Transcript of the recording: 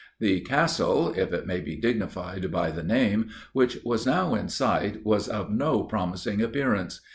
The castle, (if it may be dignified by the name,) which was now in sight, was of no promising appearance.